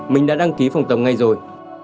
mình đã đăng ký phòng tập ngay rồi